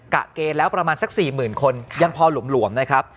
ะเกณฑ์แล้วประมาณสัก๔๐๐๐คนยังพอหลวมนะครับ